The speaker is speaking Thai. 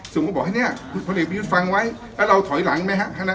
สมมุติว่าบอกว่าเนี่ยผลิตประยุทธฟังไว้แล้วเราถอยหลังไหมฮะ